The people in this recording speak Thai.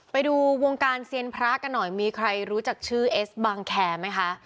ไปดูวงการเซียนพระกันหน่อยมีใครรู้จักชื่อเอสบางแคร์ไหมคะ